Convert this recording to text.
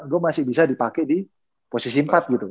gue masih bisa dipake di posisi empat gitu